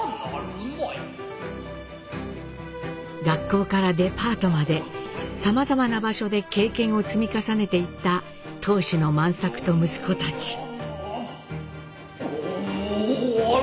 学校からデパートまでさまざまな場所で経験を積み重ねていった当主の万作と息子たち。